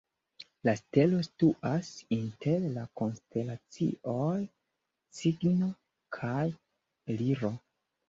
La stelo situas inter la konstelacioj Cigno kaj Liro.